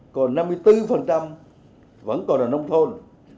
còn năm mươi bốn vẫn còn là nông thôn